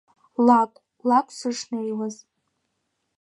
Лакә, лакә сышнеиуаз…